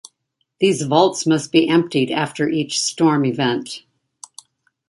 These vaults must be emptied after each storm event.